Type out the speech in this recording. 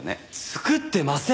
作ってません！